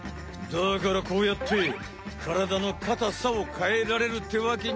だからこうやってからだのかたさを変えられるってわけなのよん。